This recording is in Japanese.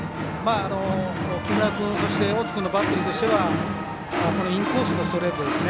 木村君、そして大津君のバッテリーとしてはインコースのストレートですね